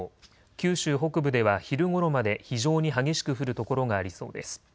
九州北部では昼ごろまで非常に激しく降る所がありそうです。